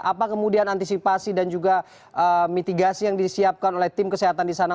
apa kemudian antisipasi dan juga mitigasi yang disiapkan oleh tim kesehatan di sana